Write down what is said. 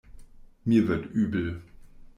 Mir wird übel.